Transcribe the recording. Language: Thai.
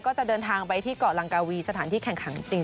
ก็จะเดินทางไปที่เกาะลังกาวีสถานที่แข่งขันจริง